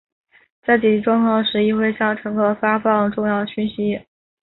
在紧急状况时亦会向乘客发放重要讯息。